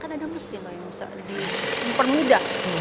kan ada mesin lah yang bisa dipermudah